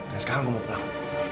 dan sekarang gue mau pulang